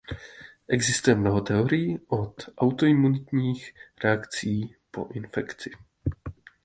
Existuje mnoho teorií od autoimunitních reakcí po infekci.